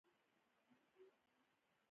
د دوی ګټه او تاوان غم او خوشحالي شریک وي.